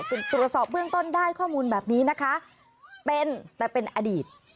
ตรวจสอบเบื้องต้นได้ข้อมูลแบบนี้นะคะเป็นแต่เป็นอดีต